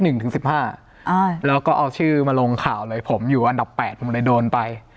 เราก็เอาชื่อมาลงข่าวเลยผมอยู่วันอันดับ๘ผมเลยโดนไป